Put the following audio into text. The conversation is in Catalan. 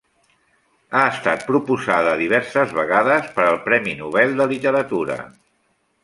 Ha estat proposada diverses vegades per al premi Nobel de literatura.